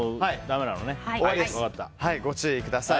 ご注意ください。